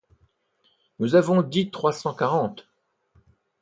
Nous avons dit trois cent quarante.